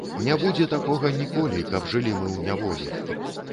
Ня будзе таго ніколі, каб жылі мы ў няволі!